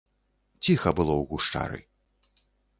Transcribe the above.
Ціха было ў гушчары.